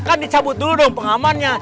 kan dicabut dulu dong pengamannya